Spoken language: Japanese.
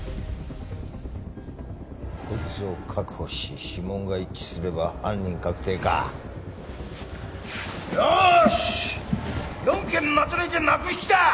こいつを確保し指紋が一致すれば犯人確定かよし４件まとめて幕引きだ！